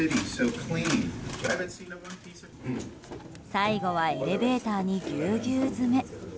最後はエレベーターにぎゅうぎゅう詰め。